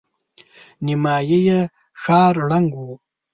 نيمايي ښار ړنګ و.